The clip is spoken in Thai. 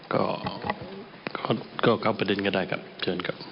ก็เข้าประเด็นก็ได้ครับเชิญครับ